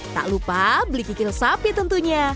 tak lupa beli kikil sapi tentunya